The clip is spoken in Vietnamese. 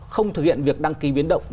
không thực hiện việc đăng ký biến động